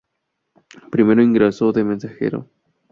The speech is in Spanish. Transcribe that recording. Primero ingresó de mensajero.